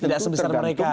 tidak sebesar mereka